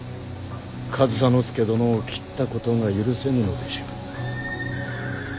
上総介殿を斬ったことが許せぬのでしょう。